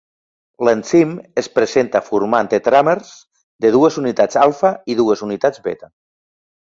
L'enzim es presenta formant tetràmers de dues unitats alfa i dues unitats beta.